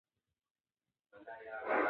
د خوړو په اړه زده کړه مهمه ده.